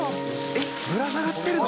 えっぶら下がってるの？